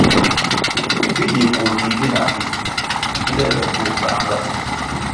Bi yi koh di bina bi kilè lè burʼ banʼnga.